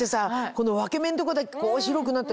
この分け目のとこだけこう白くなって。